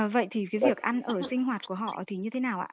vậy thì cái việc ăn ở sinh hoạt của họ thì như thế nào ạ